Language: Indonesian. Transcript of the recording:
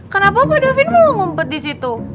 kenapa opa davin malah ngumpet di situ